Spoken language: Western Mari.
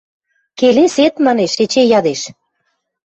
– Келесет?! – манеш, эче ядеш.